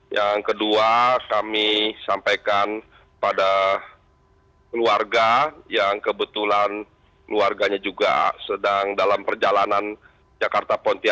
yang kedua kami sampaikan pada keluarga yang kebetulan keluarganya juga sedang dalam perjalanan jakarta pontianak